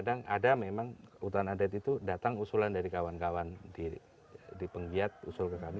kadang ada memang hutan adat itu datang usulan dari kawan kawan di penggiat usul ke kami